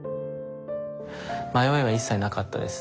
迷いは一切なかったですね。